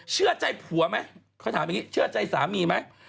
เชื่อใจผัวไหมเขาถามอย่างนี้เชื่อใจสามีไหม